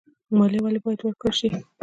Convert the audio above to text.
مالیه ولې باید ورکړل شي؟